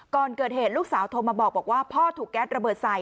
ก่อนเกิดเหตุลูกสาวโทรมาบอกว่าพ่อถูกแก๊สระเบิดใส่